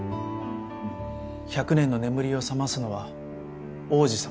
１００年の眠りを覚ますのは王子様。